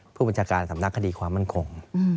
ผู้บัญชาการสำนักคดีความมั่นคง